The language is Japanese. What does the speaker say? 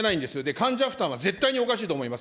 患者負担は絶対におかしいと思います。